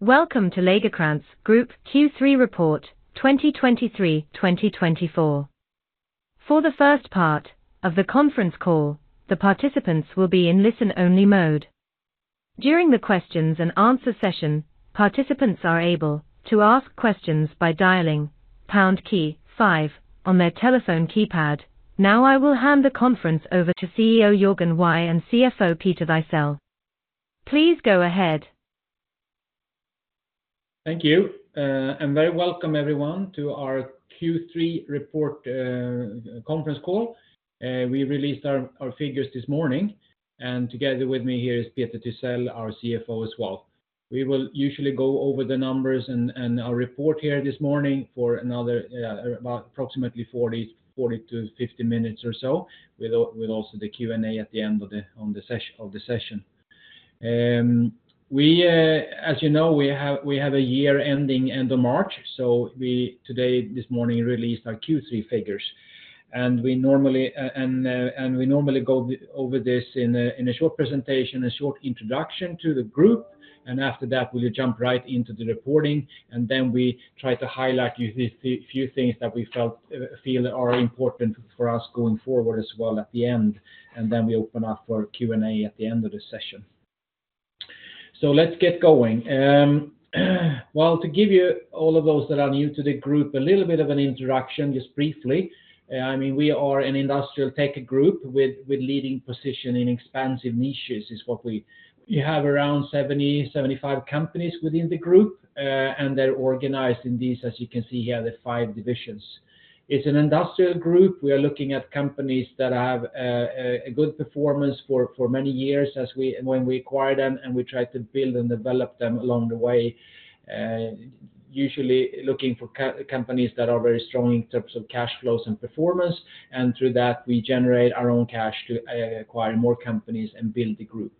Welcome to Lagercrantz Group Q3 Report 2023/2024. For the first part of the conference call, the participants will be in listen-only mode. During the questions and answer session, participants are able to ask questions by dialing pound key five on their telephone keypad. Now, I will hand the conference over to CEO Jörgen Wigh and CFO Peter Thysell. Please go ahead. Thank you. And very welcome everyone to our Q3 report conference call. We released our figures this morning, and together with me here is Peter Thysell, our CFO as well. We will usually go over the numbers and our report here this morning for another about approximately 40-50 minutes or so, with also the Q&A at the end of the session. As you know, we have a year ending end of March, so we today this morning released our Q3 figures, and we normally go over this in a short presentation, a short introduction to the group, and after that, we'll jump right into the reporting, and then we try to highlight you the few things that we felt feel are important for us going forward as well at the end, and then we open up for Q&A at the end of the session. So let's get going. Well, to give you all of those that are new to the group a little bit of an introduction, just briefly. I mean, we are an industrial tech group with leading position in expansive niches, is what we... We have around 70-75 companies within the group, and they're organized in these, as you can see here, the five divisions. It's an industrial group. We are looking at companies that have a good performance for many years when we acquire them, and we try to build and develop them along the way. Usually looking for companies that are very strong in terms of cash flows and performance, and through that, we generate our own cash to acquire more companies and build the group.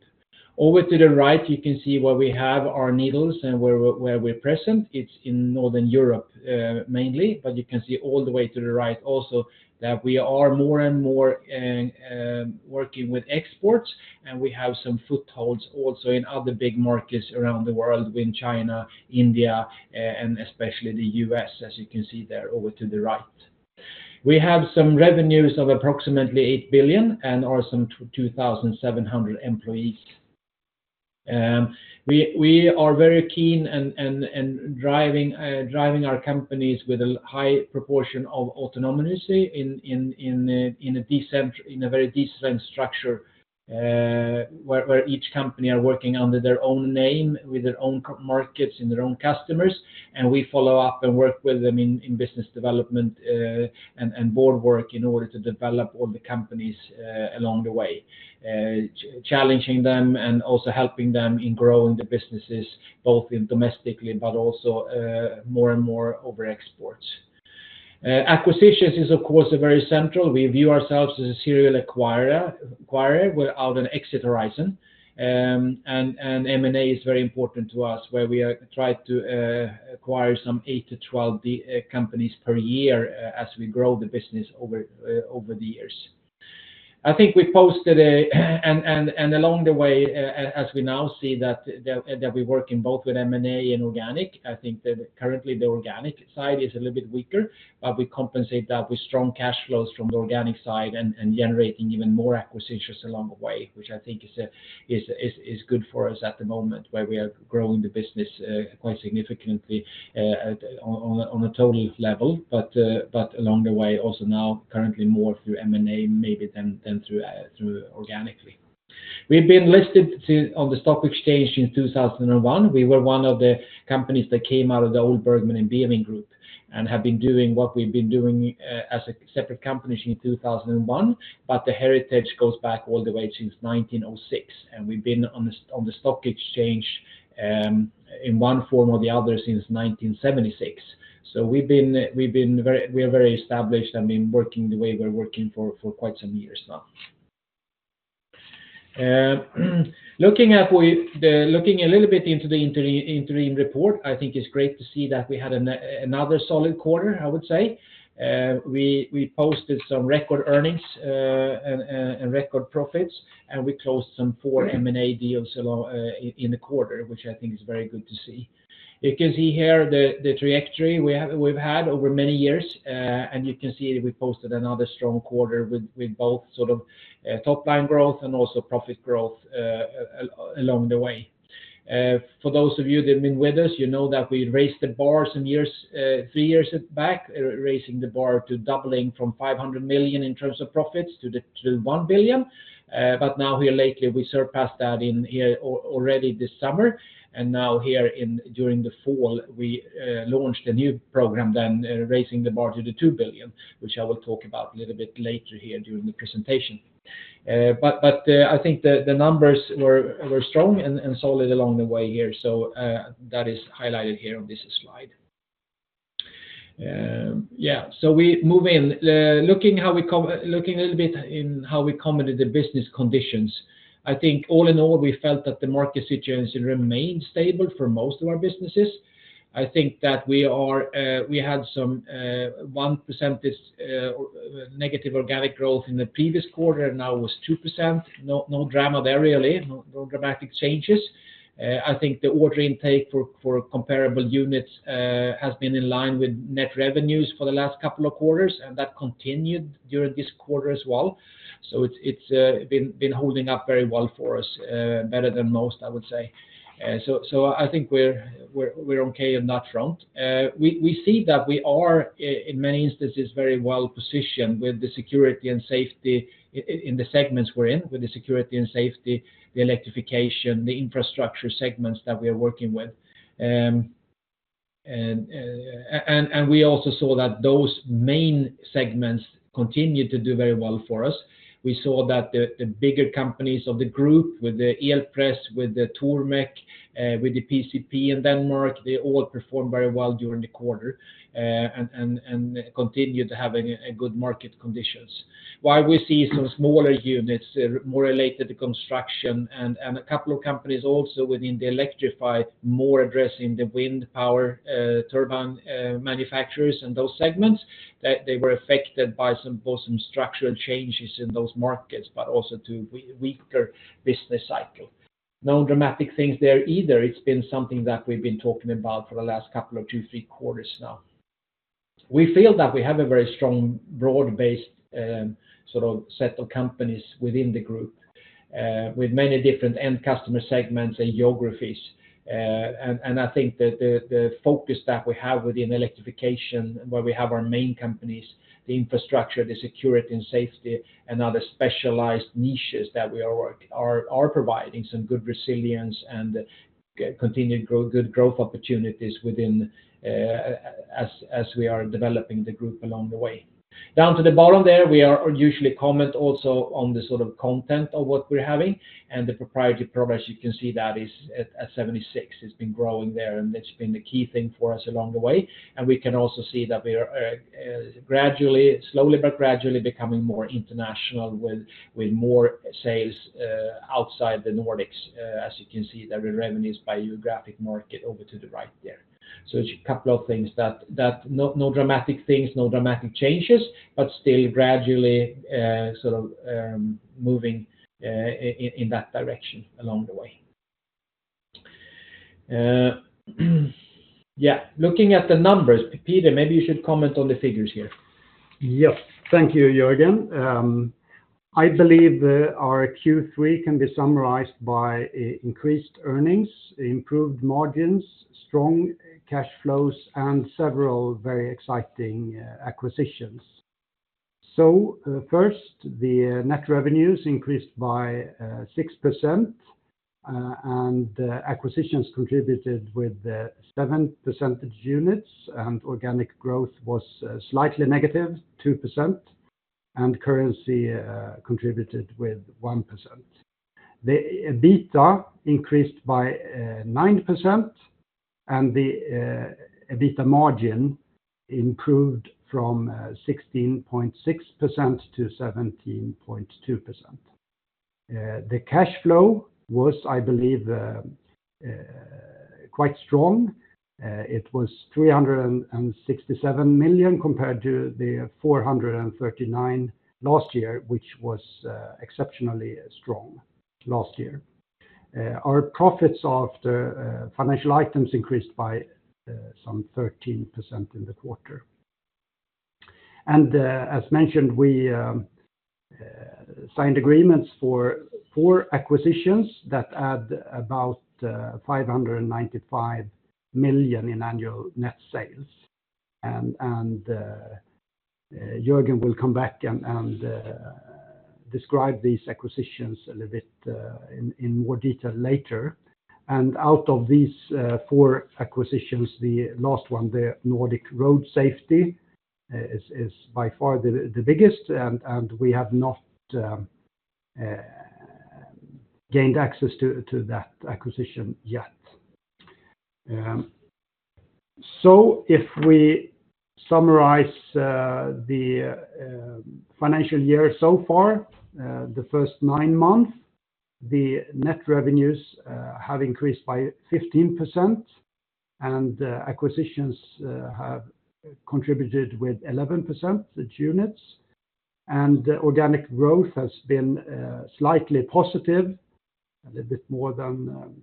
Over to the right, you can see where we have our niches and where we're present. It's in Northern Europe, mainly, but you can see all the way to the right also, that we are more and more, working with exports, and we have some footholds also in other big markets around the world, in China, India, and especially the U.S., as you can see there over to the right. We have some revenues of approximately 8 billion and are some 2,700 employees. We are very keen and driving our companies with a high proportion of autonomy in a very decentralized structure, where each company are working under their own name, with their own markets and their own customers, and we follow up and work with them in business development, and board work in order to develop all the companies along the way. Challenging them and also helping them in growing the businesses, both in domestically but also more and more over exports. Acquisitions is of course a very central. We view ourselves as a serial acquirer without an exit horizon. M&A is very important to us, where we are try to acquire some 8-12 companies per year as we grow the business over the years. Along the way, as we now see that we're working both with M&A and organic, I think that currently the organic side is a little bit weaker, but we compensate that with strong cash flows from the organic side and generating even more acquisitions along the way, which I think is good for us at the moment, where we are growing the business quite significantly on a total level, but along the way, also now currently more through M&A, maybe than through organically. We've been listed on the stock exchange since 2001. We were one of the companies that came out of the old Bergman & Beving Group, and have been doing what we've been doing as a separate company since 2001. But the heritage goes back all the way since 1906, and we've been on the stock exchange in one form or the other since 1976. So we've been very established and been working the way we're working for quite some years now. Looking a little bit into the interim report, I think it's great to see that we had another solid quarter, I would say. We posted some record earnings and record profits, and we closed some 4 M&A deals along in the quarter, which I think is very good to see. You can see here the trajectory we've had over many years, and you can see that we posted another strong quarter with both sort of top line growth and also profit growth along the way. For those of you that have been with us, you know that we raised the bar some years, three years back, raising the bar to doubling from 500 million in terms of profits to 1 billion. But now here lately, we surpassed that already this summer, and now here during the fall, we launched a new program than raising the bar to 2 billion, which I will talk about a little bit later here during the presentation. I think the numbers were strong and solid along the way here. So that is highlighted here on this slide. Yeah, so we move in. Looking a little bit in how we commented the business conditions, I think all in all, we felt that the market situation remained stable for most of our businesses. I think that we had some 1% this negative organic growth in the previous quarter, now it was 2%. No, no drama there really, no, no dramatic changes. I think the order intake for comparable units has been in line with Net Revenues for the last couple of quarters, and that continued during this quarter as well. So it's been holding up very well for us, better than most, I would say. So I think we're okay on that front. We see that we are in many instances very well positioned with the security and safety in the segments we're in, with the security and safety, the electrification, the Infrastructure Segments that we are working with. And we also saw that those main segments continued to do very well for us. We saw that the bigger companies of the group with the Elpress, with the Tormek, with the PcP in Denmark, they all performed very well during the quarter, and continued to have a good market conditions. While we see some smaller units, more related to construction and a couple of companies also within the Electrify, more addressing the wind power turbine manufacturers and those segments, that they were affected by some structural changes in those markets, but also weaker business cycle. No dramatic things there either. It's been something that we've been talking about for the last couple of two, three quarters now. We feel that we have a very strong, broad-based, sort of set of companies within the group, with many different end customer segments and geographies. And I think that the focus that we have within electrification, where we have our main companies, the infrastructure, the security and safety, and other specialized niches that we are providing some good resilience and continued good growth opportunities within, as we are developing the group along the way. Down to the bottom there, we usually comment also on the sort of content of what we're having and the proprietary progress. You can see that is at 76. It's been growing there, and it's been the key thing for us along the way. We can also see that we are gradually, slowly, but gradually becoming more international with more sales outside the Nordics. As you can see, the revenues by geographic market over to the right there. So a couple of things that no dramatic things, no dramatic changes, but still gradually sort of moving in that direction along the way. Yeah, looking at the numbers, Peter, maybe you should comment on the figures here. Yes. Thank you, Jörgen. I believe our Q3 can be summarized by increased earnings, improved margins, strong cash flows, and several very exciting acquisitions. So, first, the net revenues increased by 6%, and acquisitions contributed with seven percentage units, and organic growth was slightly negative 2%, and currency contributed with 1%. The EBITDA increased by 9%, and the EBITDA margin improved from 16.6% to 17.2%. The cash flow was, I believe, quite strong. It was 367 million compared to 439 million last year, which was exceptionally strong last year. Our profits after financial items increased by some 13% in the quarter. As mentioned, we signed agreements for four acquisitions that add about 595 million in annual net sales. Jörgen will come back and describe these acquisitions a little bit in more detail later. Out of these four acquisitions, the last one, the Nordic Road Safety, is by far the biggest, and we have not gained access to that acquisition yet. So if we summarize the financial year so far, the first nine months, the net revenues have increased by 15%, and acquisitions have contributed with 11%, the units, and organic growth has been slightly positive, a little bit more than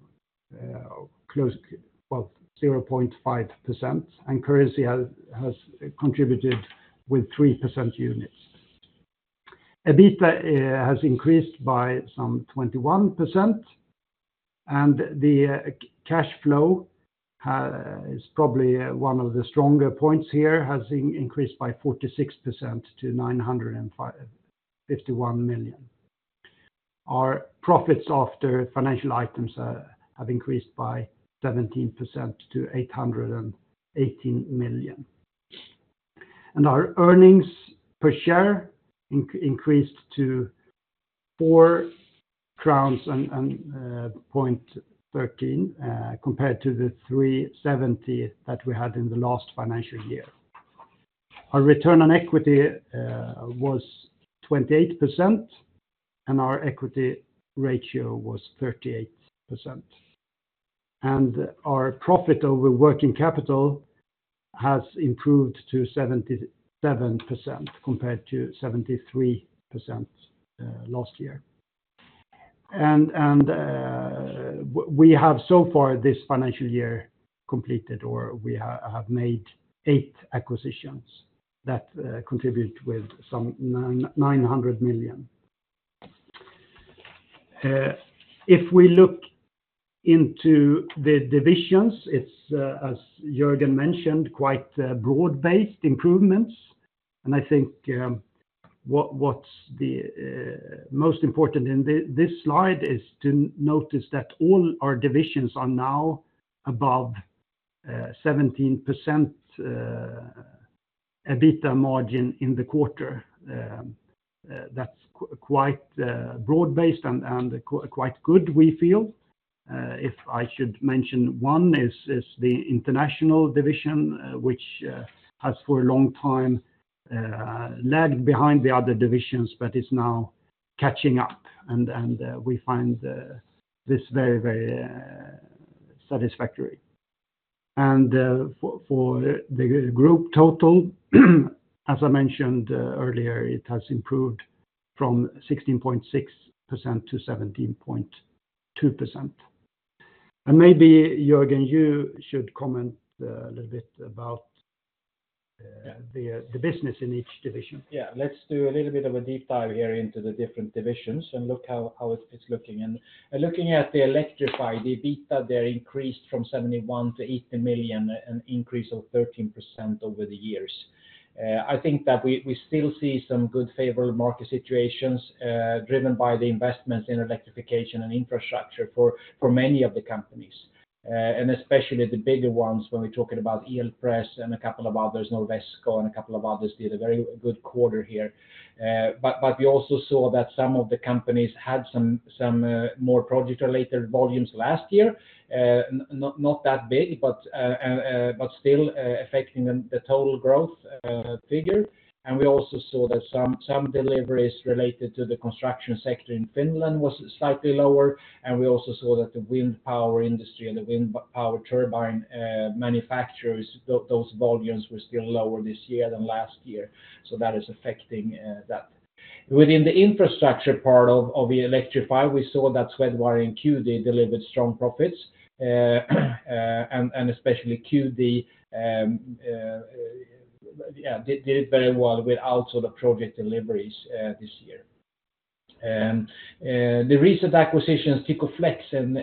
0.5%, and currency has contributed with 3% units. EBITDA has increased by some 21%, and the cash flow is probably one of the stronger points here, has increased by 46% to 951 million. Our profits after financial items have increased by 17% to 818 million. Our earnings per share increased to 4.13 crowns compared to the 3.70 that we had in the last financial year. Our return on equity was 28%, and our equity ratio was 38%. Our profit over working capital has improved to 77%, compared to 73% last year. We have so far this financial year completed or we have made eight acquisitions that contribute with some SEK 900 million. If we look into the divisions, it's, as Jörgen mentioned, quite broad-based improvements. I think what's the most important in this slide is to notice that all our divisions are now above 17% EBITDA margin in the quarter. That's quite broad-based and quite good, we feel. If I should mention one is the International division, which has for a long time lagged behind the other divisions, but is now catching up, and we find this very, very satisfactory. For the group total, as I mentioned earlier, it has improved from 16.6% to 17.2%. Maybe Jörgen, you should comment a little bit about the business in each Division. Yeah, let's do a little bit of a deep dive here into the different divisions and look how it's looking. Looking at the Electrify, the EBITDA there increased from 71 million to 80 million, an increase of 13% over the years. I think that we still see some good favorable market situations, driven by the investments in electrification and infrastructure for many of the companies, and especially the bigger ones, when we're talking about Elpress and a couple of others, Norwesco and a couple of others, did a very good quarter here. But we also saw that some of the companies had some more project-related volumes last year. Not that big, but still affecting the total growth figure. We also saw that some deliveries related to the construction sector in Finland were slightly lower, and we also saw that the wind power industry and the wind power turbine manufacturers, those volumes were still lower this year than last year. So that is affecting that. Within the infrastructure part of the Electrify, we saw that Swedwire and Cue Dee delivered strong profits, and especially Cue Dee did it very well without sort of project deliveries this year. And the recent acquisitions, Tykoflex and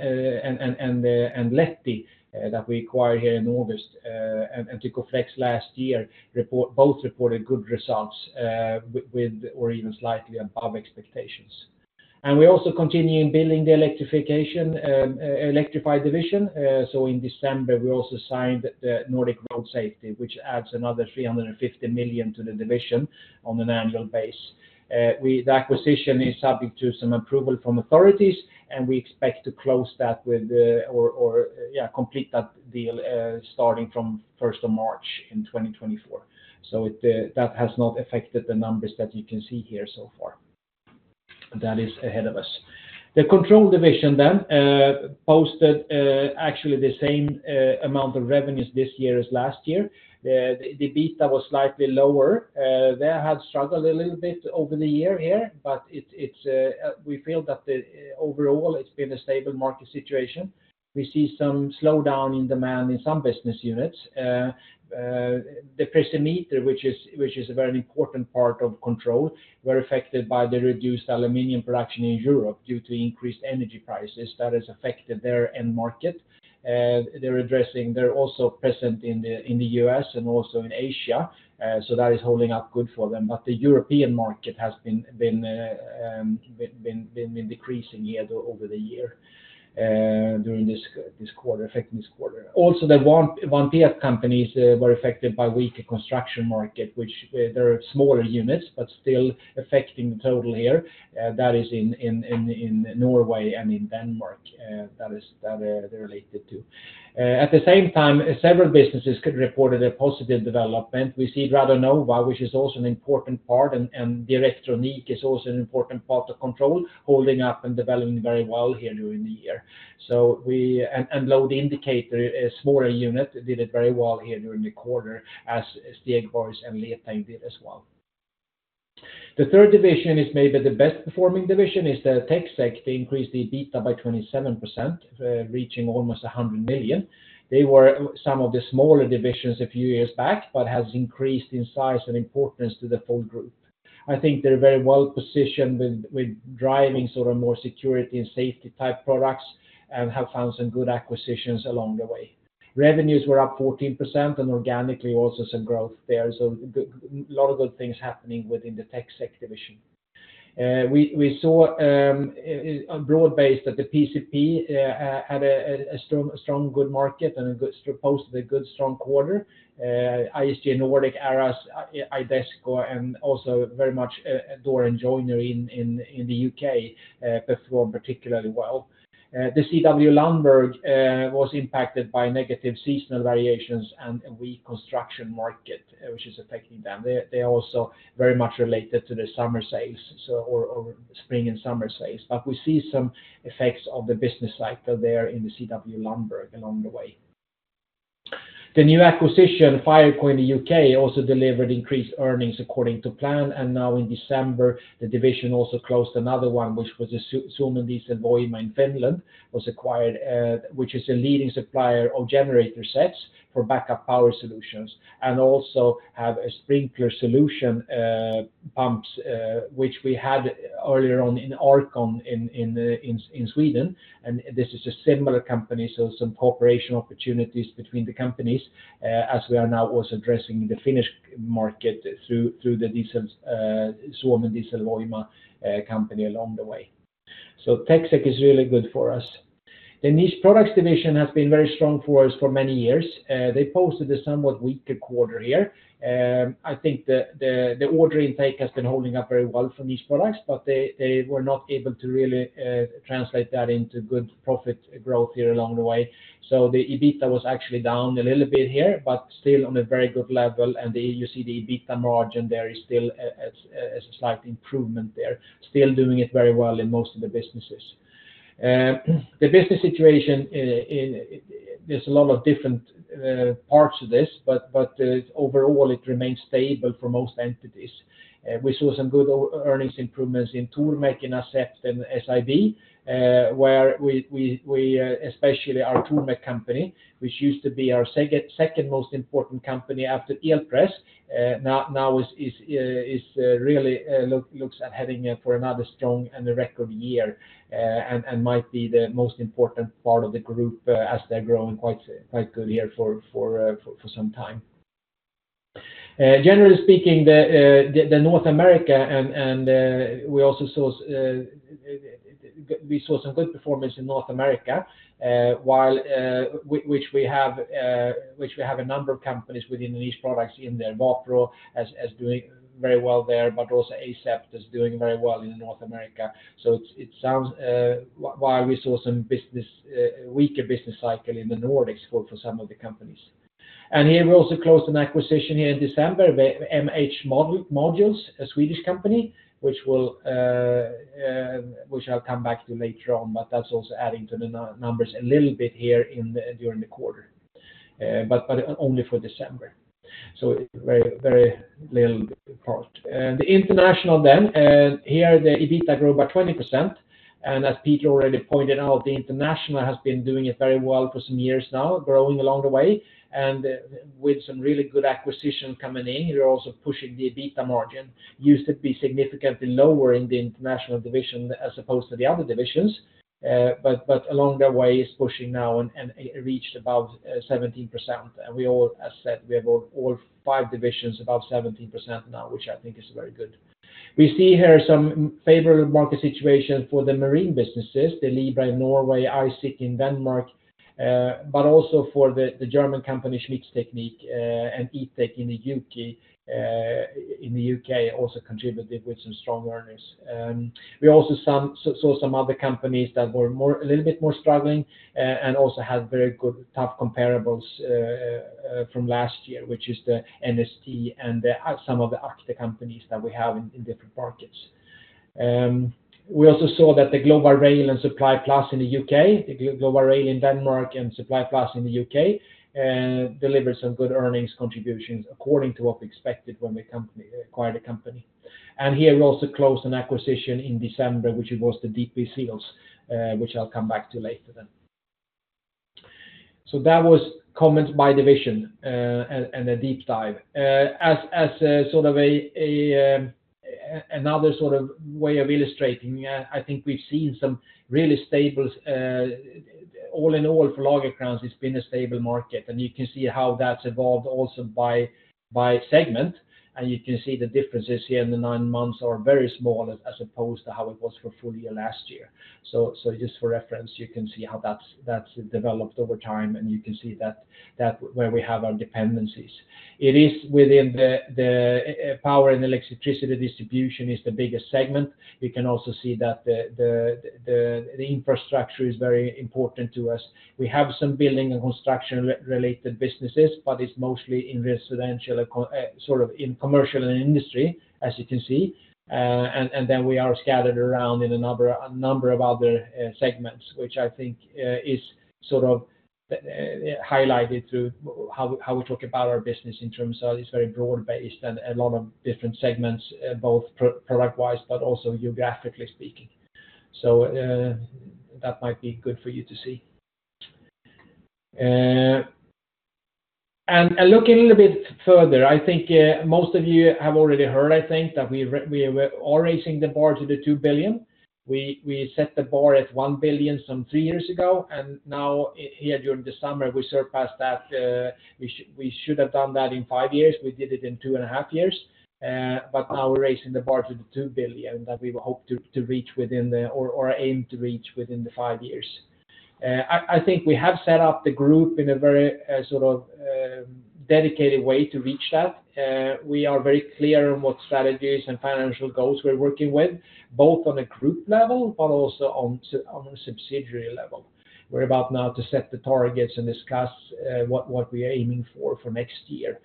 Letti, that we acquired here in August, and Tykoflex last year, reported both good results with or even slightly above expectations. And we also continuing building the electrification Electrify division. So in December, we also signed the Nordic Road Safety, which adds another 350 million to the division on an annual base. The acquisition is subject to some approval from authorities, and we expect to close that or complete that deal, starting from the first of March 2024. So that has not affected the numbers that you can see here so far. That is ahead of us. The Control division then posted actually the same amount of revenues this year as last year. The EBITDA was slightly lower. They had struggled a little bit over the year here, but it's we feel that overall it's been a stable market situation. We see some slowdown in demand in some business units. The Precimeter, which is a very important part of control, were affected by the reduced aluminum production in Europe due to increased energy prices. That has affected their end market. They're also present in the US and also in Asia, so that is holding up good for them. But the European market has been decreasing here over the year, during this quarter, affecting this quarter. Also, the Vanpee companies were affected by weaker construction market, which they're smaller units, but still affecting the total here. That is in Norway and in Denmark, that they're related to. At the same time, several businesses could report a positive development. We see Radonova, which is also an important part, and, and the Direktronik is also an important part of Control, holding up and developing very well here during the year. So we... and, and Load Indicator, a smaller unit, did it very well here during the quarter, as, as the Stigab and Letti did as well. The third division is maybe the best performing division, is the TecSec. They increased the EBITDA by 27%, reaching almost 100 million. They were some of the smaller divisions a few years back, but has increased in size and importance to the full group. I think they're very well positioned with, with driving sort of more security and safety type products, and have found some good acquisitions along the way. Revenues were up 14% and organically also some growth there. So, good, a lot of good things happening within the TecSec division. We saw a broad base that the PCP had a Strong Good Market and posted a good strong quarter. ISG Nordic, Aras, Idesco, and also very much Door and Joinery in the UK performed particularly well. The CW Lundberg was impacted by negative seasonal variations and a Weak Construction Market, which is affecting them. They are also very much related to the summer sales, so or spring and summer sales. But we see some effects of the business cycle there in the CW Lundberg along the way. The new acquisition, Fireco in the UK, also delivered increased earnings according to plan, and now in December, the division also closed another one, which was the Suomen Dieselvoima in Finland, was acquired, which is a leading supplier of generator sets for backup power solutions, and also have a sprinkler solution, pumps, which we had earlier on in R-Con in Sweden. And this is a similar company, so some cooperation opportunities between the companies, as we are now also addressing the Finnish market through the diesel Suomen Dieselvoima company along the way. So TechSec is really good for us. The Niche Products Division has been very strong for us for many years. They posted a somewhat weaker quarter here. I think the order intake has been holding up very well for Niche Products, but they were not able to really translate that into good profit growth here along the way. So the EBITDA was actually down a little bit here, but still on a very good level, and you see the EBITDA margin there is still a slight improvement there. Still doing it very well in most of the businesses. The business situation, there's a lot of different parts of this, but overall, it remains stable for most entities. We saw some good earnings improvements in Tormek, Asept, and SIB, where we especially our Tormek company, which used to be our second most important company after Elpress, now is really looks to be heading for another strong and a record year, and might be the most important part of the group as they're growing quite good here for some time. Generally speaking, in North America and we also saw some good performance in North America, while we have a number of companies within the Niche Products in there. Wapro is doing very well there, but also Asept is doing very well in North America. So it sounds while we saw some weaker business cycle in the Nordics for some of the companies. And here we also closed an acquisition here in December, where MH Modules, a Swedish company, which I'll come back to later on, but that's also adding to the numbers a little bit here during the quarter. But only for December, so very little part. The international then, and here, the EBITDA grew by 20%, and as Peter already pointed out, the international has been doing it very well for some years now, growing along the way, and with some really good acquisition coming in, we are also pushing the EBITDA margin. Used to be significantly lower in the International division as opposed to the other divisions, but along the way, it's pushing now and it reached about 17%. And we all, as said, we have all five divisions above 17% now, which I think is very good. We see here some favorable market situation for the marine businesses, the Libra in Norway, ISIC in Denmark, but also for the German company, Schmitztechnik, and E-Tech in the UK, in the UK, also contributed with some strong earnings. We also saw some other companies that were more, a little bit more struggling, and also had very good, tough comparables from last year, which is the NST and the some of the ACTE companies that we have in different markets. We also saw that the Global Rail and Supply Plus in the UK, the Global Rail in Denmark and Supply Plus in the UK, delivered some good earnings contributions according to what we expected when we acquired the company. And here we also closed an acquisition in December, which was the DP Seals, which I'll come back to later then. So that was comments by division, and a deep dive. As sort of another sort of way of illustrating, I think we've seen some really stables. All in all, for Lagercrantz, it's been a stable market, and you can see how that's evolved also by segment, and you can see the differences here in the nine months are very small as opposed to how it was for full year last year. So just for reference, you can see how that's developed over time, and you can see that where we have our dependencies. It is within the power and electricity distribution is the biggest segment. You can also see that the infrastructure is very important to us. We have some building and construction related businesses, but it's mostly in residential and sort of in commercial and industry, as you can see. And then we are scattered around in a number of other segments, which I think is sort of highlighted through how we talk about our business in terms of it's very broad-based and a lot of different segments, both product-wise, but also geographically speaking. So that might be good for you to see. And looking a little bit further, I think most of you have already heard, I think, that we're, we are raising the bar to the 2 billion. We, we set the bar at 1 billion some three years ago, and now, here during the summer, we surpassed that. We should have done that in five years. We did it in 2.5 years, but now we're raising the bar to the 2 billion that we hope to, to reach within the five years, or, or aim to reach within the five years. I think we have set up the group in a very sort of dedicated way to reach that. We are very clear on what strategies and financial goals we're working with, both on a group level, but also on a subsidiary level. We're about now to set the targets and discuss, what, what we are aiming for for next year.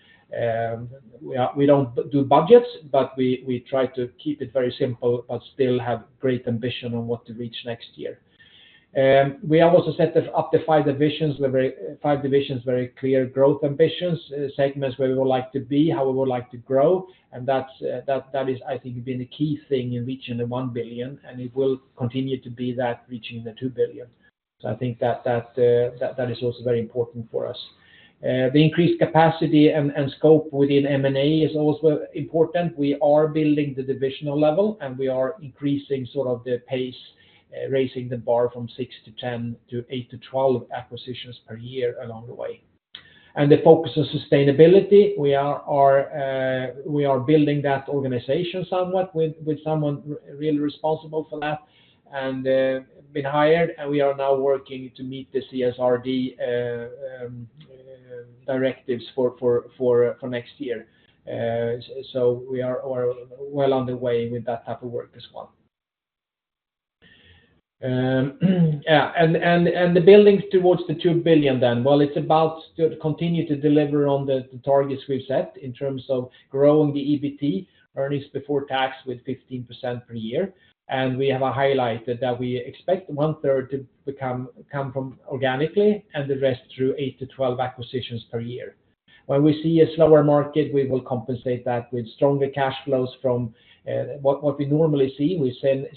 We don't do budgets, but we, we try to keep it very simple, but still have great ambition on what to reach next year. We have also set up the five divisions with very, five divisions, very clear growth ambitions, segments where we would like to be, how we would like to grow, and that's, that, that is, I think, been the key thing in reaching 1 billion, and it will continue to be that reaching 2 billion. So I think that, that, that, that is also very important for us. The increased capacity and, and scope within M&A is also important. We are building the divisional level, and we are increasing sort of the pace, raising the bar from 6-10 to 8-12 acquisitions per year along the way. And the focus on sustainability, we are, we are building that organization somewhat with, with someone really responsible for that, and, been hired, and we are now working to meet the CSRD directives for next year. So we are well on the way with that type of work as well. Yeah, and the building towards the 2 billion then, well, it's about to continue to deliver on the targets we've set in terms of growing the EBT, earnings before tax, with 15% per year. And we have a highlight that we expect one-third to come from organically and the rest through 8-12 acquisitions per year. When we see a slower market, we will compensate that with stronger cash flows from what we normally see. We've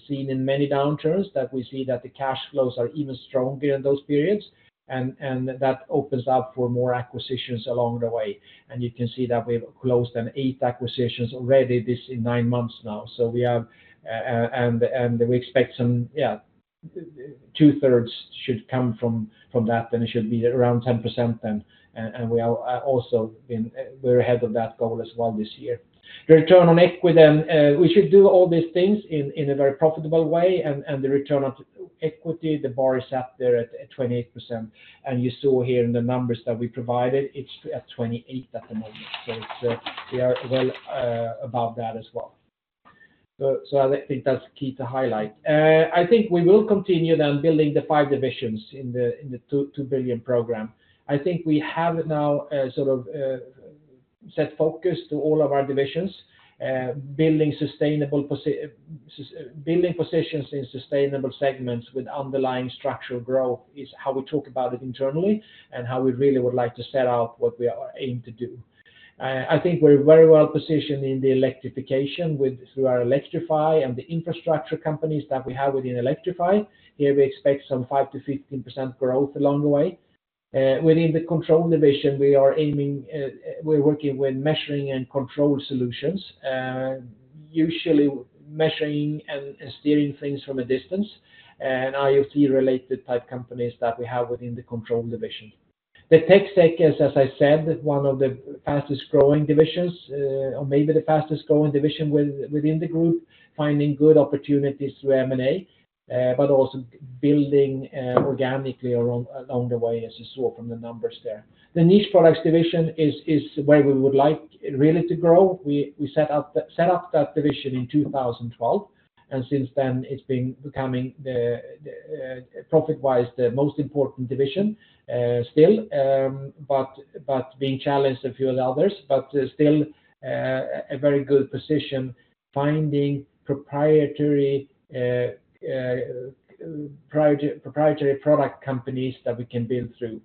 seen in many downturns that we see that the cash flows are even stronger in those periods, and that opens up for more acquisitions along the way. And you can see that we've closed eight acquisitions already this in nine months now. So we have, and we expect some, yeah, 2/3 should come from that, and it should be around 10% then, and we are also been -- we're ahead of that goal as well this year. The return on equity then, we should do all these things in a very profitable way, and, and the return on equity, the bar is out there at 28%, and you saw here in the numbers that we provided, it's at 28% at the moment. So it's, we are well above that as well. So I think that's key to highlight. I think we will continue then building the five divisions in the 2 billion program. I think we have now a sort of set focus to all of our divisions, building sustainable positions in sustainable segments with underlying Structural Growth is how we talk about it internally and how we really would like to set out what we are aim to do. I think we're very well positioned in the electrification with, through our Electrify and the infrastructure companies that we have within Electrify. Here we expect some 5%-15% growth along the way. Within the control division, we are aiming, we're working with measuring and control solutions, usually measuring and steering things from a distance, and IoT-related type companies that we have within the control division. The TechSec division, as I said, is one of the fastest-growing divisions, or maybe the fastest-growing division within the group, finding good opportunities through M&A, but also building organically along the way, as you saw from the numbers there. The Niche Products division is where we would like it really to grow. We set up that division in 2012, and since then, it's been becoming the, profit-wise, the most important division, still, but being challenged by a few of the others, but still, a very good position, finding proprietary product companies that we can build through.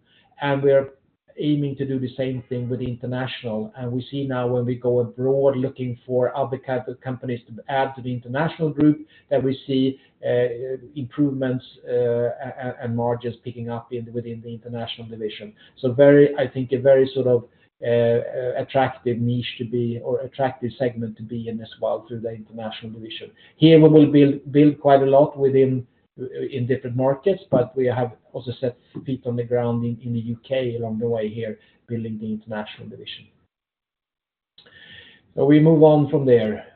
We are aiming to do the same thing with the International. We see now when we go abroad looking for other kinds of companies to add to the International group, that we see improvements, and margins picking up within the International division. So very, I think a very sort of, attractive niche to be in or attractive segment to be in as well through the International division. Here, we will build quite a lot within in different markets, but we have also set feet on the ground in the UK along the way here, building the International division. So we move on from there.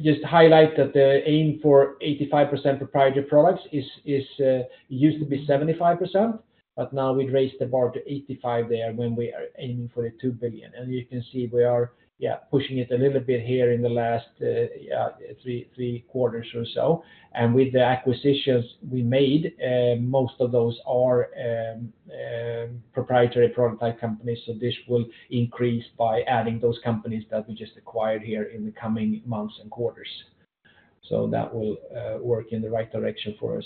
Just to highlight that the aim for 85% proprietary products is used to be 75%, but now we'd raise the bar to 85% there when we are aiming for 2 billion. And you can see we are pushing it a little bit here in the last three quarters or so. And with the acquisitions we made, most of those are proprietary product type companies. So this will increase by adding those companies that we just acquired here in the coming months and quarters. So that will work in the right direction for us.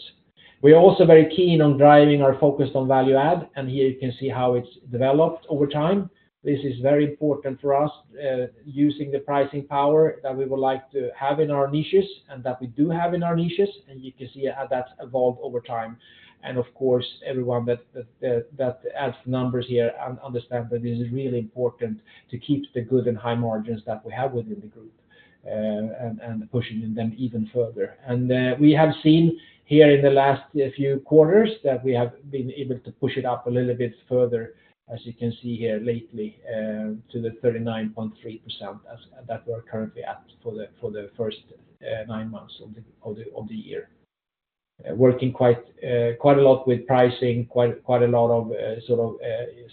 We are also very keen on driving our focus on value add, and here you can see how it's developed over time. This is very important for us, using the pricing power that we would like to have in our niches, and that we do have in our niches, and you can see how that's evolved over time. Of course, everyone that adds numbers here understand that this is really important to keep the good and high margins that we have within the group, and pushing them even further. And, we have seen here in the last few quarters that we have been able to push it up a little bit further, as you can see here lately, to the 39.3% as that we're currently at for the, for the first nine months of the, of the, of the year. Working quite, quite a lot with pricing, quite, quite a lot of, sort of,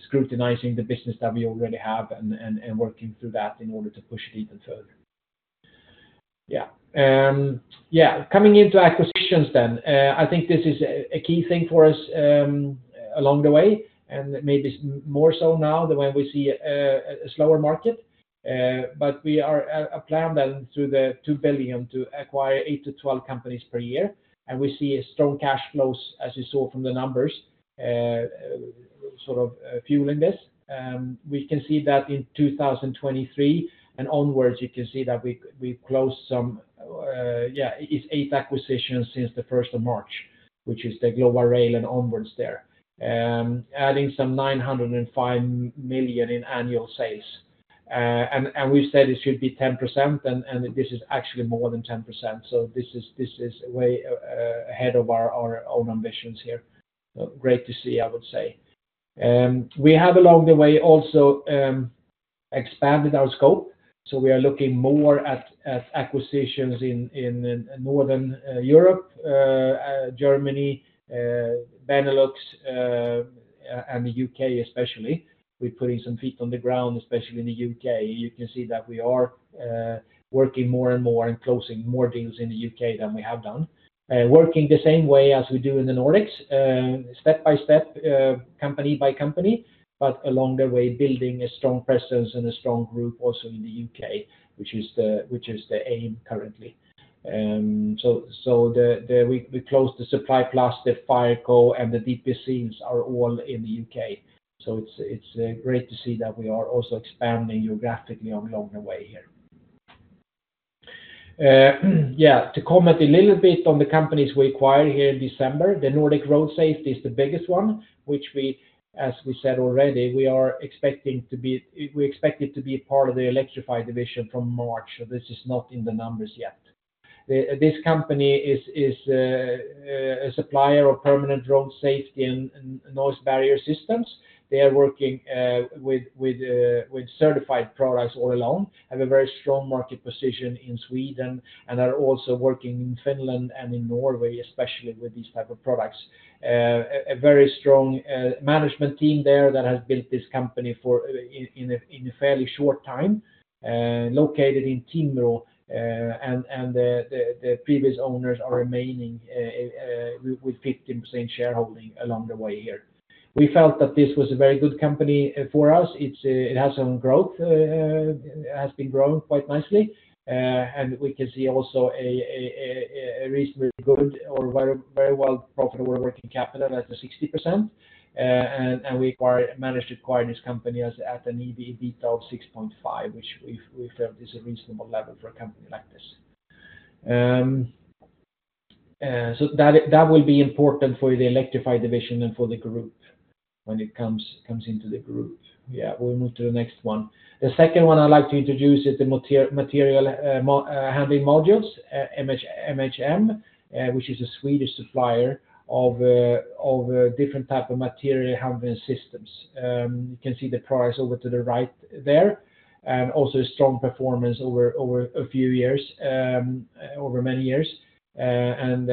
scrutinizing the business that we already have and, and, and working through that in order to push it even further. Yeah, yeah, coming into acquisitions then, I think this is a, a, a key thing for us,...... along the way, and maybe more so now than when we see a, a, a slower market. But we are at a plan that through the 2 billion to acquire 8-12 companies per year, and we see a strong cash flows, as you saw from the numbers, sort of, fueling this. We can see that in 2023 and onwards, you can see that we, we've closed some, yeah, it's eight acquisitions since the first of March, which is the Global Rail and onwards there. Adding some 905 million in annual sales. And, and we said it should be 10%, and, and this is actually more than 10%, so this is, this is way, ahead of our, our own ambitions here. Great to see, I would say. We have along the way also expanded our scope, so we are looking more at acquisitions in Northern Europe, Germany, Benelux, and the UK especially. We're putting some feet on the ground, especially in the UK. You can see that we are working more and more and closing more deals in the UK than we have done. Working the same way as we do in the Nordics, step by step, company by company, but along the way, building a strong presence and a strong group also in the UK, which is the aim currently. So we closed the Supply Plus, the Fireco, and the DP Seals are all in the UK. So it's great to see that we are also expanding geographically along the way here. Yeah, to comment a little bit on the companies we acquired here in December, the Nordic Road Safety is the biggest one, which we, as we said already, we are expecting to be—we expect it to be a part of the Electrify division from March, so this is not in the numbers yet. This company is a supplier of permanent road safety and noise barrier systems. They are working with certified products all along, have a very strong market position in Sweden, and are also working in Finland and in Norway, especially with these type of products. A very strong management team there that has built this company in a fairly short time, located in Timrå, and the previous owners are remaining with 50% shareholding along the way here. We felt that this was a very good company for us. It's a—it has some growth, it has been growing quite nicely, and we can see also a reasonably good or very well profitable working capital at the 60%. And we acquired, managed to acquire this company at an EBITDA of 6.5, which we felt is a reasonable level for a company like this. So that will be important for the Electrify division and for the group when it comes into the group. Yeah, we'll move to the next one. The second one I'd like to introduce is the Material Handling Modules, MH Modules, which is a Swedish supplier of a different type of material handling systems. You can see the products over to the right there, and also strong performance over a few years, over many years. And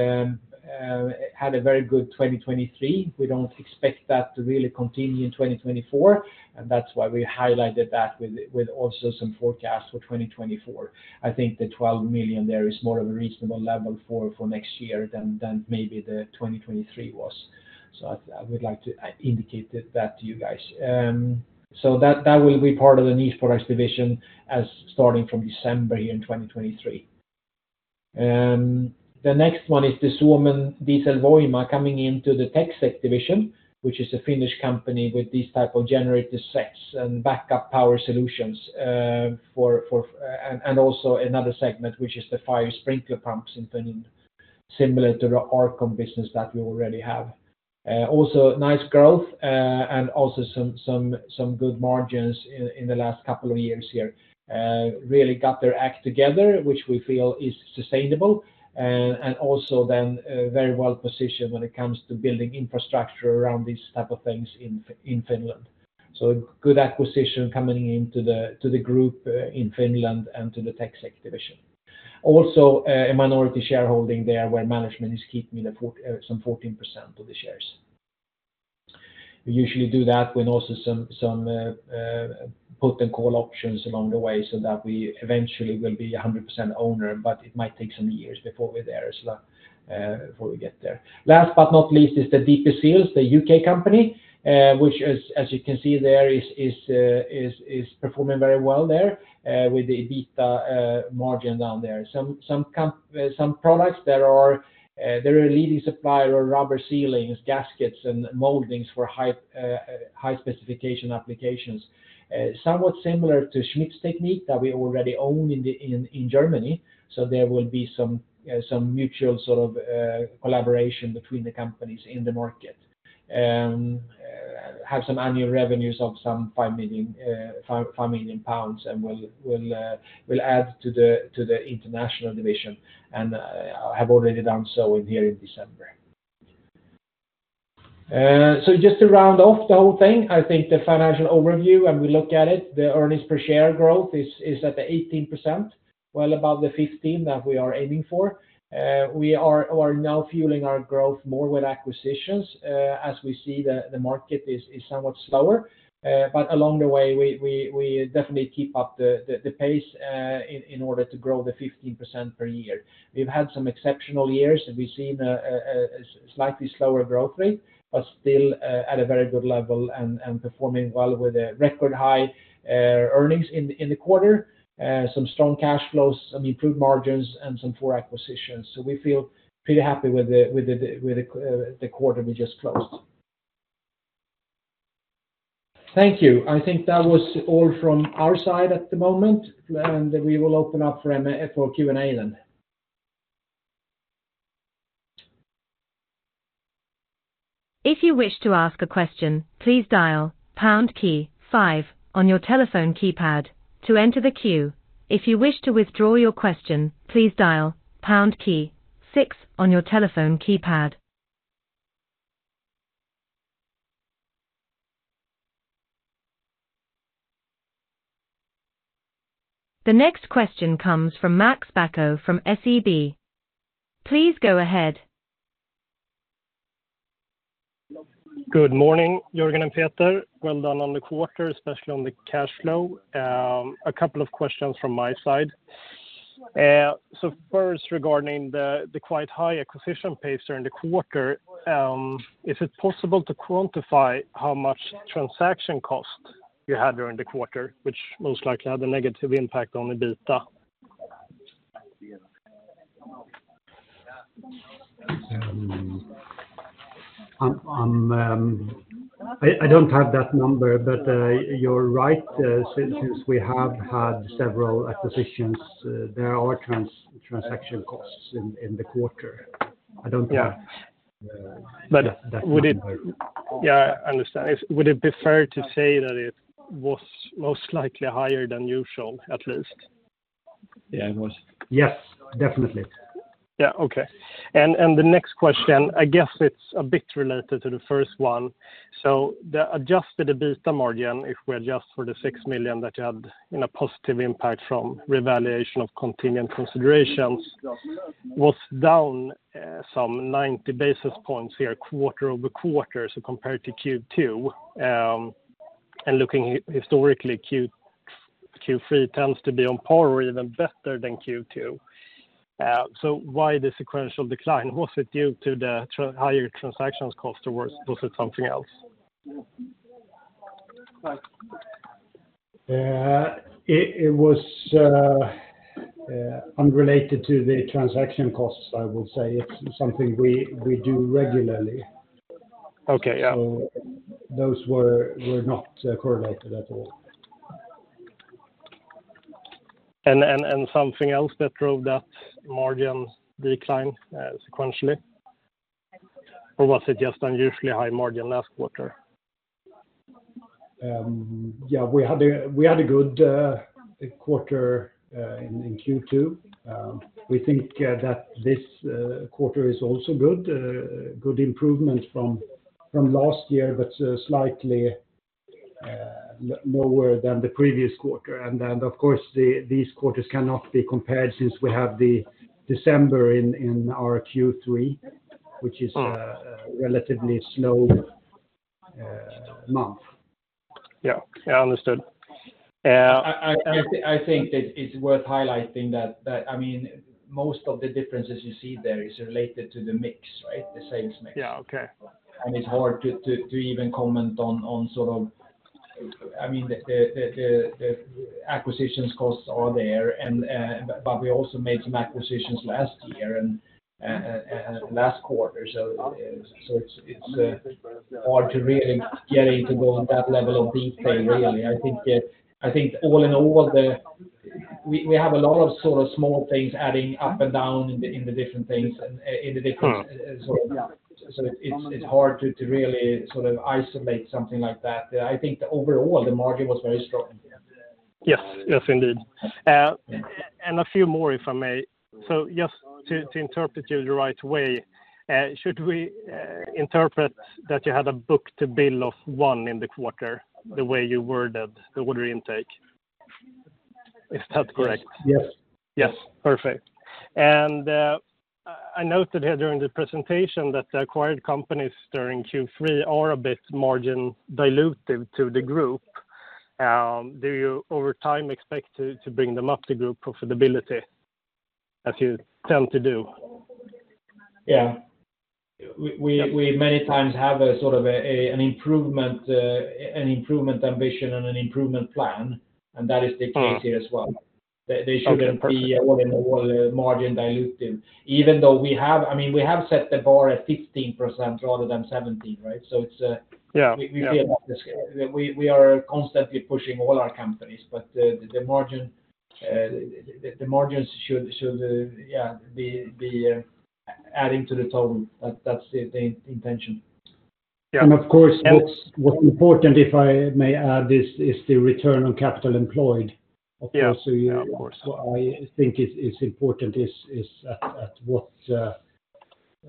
had a very good 2023. We don't expect that to really continue in 2024, and that's why we highlighted that with also some forecasts for 2024. I think the 12 million there is more of a reasonable level for next year than maybe the 2023 was. So I would like to indicate that to you guys. So that will be part of the Niche Products division as starting from December in 2023. The next one is the Suomen Dieselvoima coming into the TechSec division, which is a Finnish company with these type of generator sets and backup power solutions, and also another segment, which is the fire sprinkler pumps in Finland, similar to the R-Con business that we already have. Also nice growth, and also some good margins in the last couple of years here. Really got their act together, which we feel is sustainable, and very well positioned when it comes to building infrastructure around these type of things in Finland. So good acquisition coming into the group in Finland and to the TechSec division. Also, a minority shareholding there, where management is keeping some 14% of the shares. We usually do that when also some put and call options along the way so that we eventually will be a 100% owner, but it might take some years before we're there as well, before we get there. Last but not least, is the DP Seals, the UK company, which as you can see there, is performing very well there, with the EBITDA margin down there. Some products there are, they're a leading supplier of rubber seals, gaskets, and moldings for high specification applications. Somewhat similar to Schmitztechnik that we already own in Germany, so there will be some mutual sort of collaboration between the companies in the market. Have some annual revenues of some 5 million pounds, and will add to the International division, and have already done so here in December. So just to round off the whole thing, I think the financial overview, and we look at it, the earnings per share growth is at 18%, well above the 15% that we are aiming for. We are now fueling our growth more with acquisitions, as we see the market is somewhat slower. But along the way, we definitely keep up the pace in order to grow 15% per year. We've had some exceptional years, and we've seen a slightly slower growth rate, but still at a very good level and performing well with a record high earnings in the quarter, some strong cash flows, some improved margins, and 4 acquisitions. So we feel pretty happy with the quarter we just closed. Thank you. I think that was all from our side at the moment, and we will open up for MA, for Q&A then. If you wish to ask a question, please dial pound key five on your telephone keypad to enter the queue. If you wish to withdraw your question, please dial pound key six on your telephone keypad. The next question comes from Max Bacco from SEB. Please go ahead. Good morning, Jörgen and Peter. Well done on the quarter, especially on the cash flow. A couple of questions from my side. So first, regarding the quite high acquisition pace during the quarter, is it possible to quantify how much transaction cost you had during the quarter, which most likely had a negative impact on the EBITDA? I'm, I don't have that number, but you're right. Since we have had several acquisitions, there are transaction costs in the quarter. I don't know. Yeah. But that would it- Yeah, I understand. Would it be fair to say that it was most likely higher than usual, at least? Yeah, it was. Yes, definitely. Yeah. Okay. And, and the next question, I guess it's a bit related to the first one. So the adjusted EBITDA margin, if we adjust for the 6 million that you had in a positive impact from revaluation of continuing considerations, was down some 90 basis points here, quarter-over-quarter, so compared to Q2. And looking historically, Q3 tends to be on par or even better than Q2. So why the sequential decline? Was it due to the higher transactions cost or was it something else? It was unrelated to the transaction costs, I would say. It's something we do regularly. Okay, yeah. Those were not correlated at all. Something else that drove that margin decline sequentially, or was it just unusually high margin last quarter? Yeah, we had a good quarter in Q2. We think that this quarter is also good, good improvement from last year, but slightly lower than the previous quarter. And then, of course, these quarters cannot be compared since we have December in our Q3, which is a- Uh... relatively slow month. Yeah. Yeah, understood. I think that it's worth highlighting that, I mean, most of the differences you see there is related to the mix, right? The sales mix. Yeah, okay. It's hard to even comment on sort of... I mean, the acquisitions costs are there, but we also made some acquisitions last year and last quarter. So it's hard to really get in to go on that level of detail, really. I think all in all, the... We have a lot of sort of small things adding up and down in the different things, and in the different- Uh ... So it's hard to really sort of isolate something like that. I think overall, the margin was very strong. Yes, yes, indeed. A few more, if I may. Just to interpret you the right way, should we interpret that you had a book-to-bill of 1 in the quarter, the way you worded the order intake? Is that correct? Yes. Yes. Perfect. And I noted here during the presentation that the acquired companies during Q3 are a bit margin dilutive to the group. Do you, over time, expect to bring them up to group profitability as you tend to do? Yeah. Yeah. We many times have a sort of an improvement ambition and an improvement plan, and that is the case- Uh... here as well. Okay, perfect. They shouldn't be all in all margin dilutive, even though we have, I mean, we have set the bar at 15% rather than 17%, right? So it's a- Yeah, yeah. We are constantly pushing all our companies, but the margins should be adding to the total. That's the intention. Yeah. Of course, what's important, if I may add this, is the return on capital employed. Yeah, of course. I think it's important at what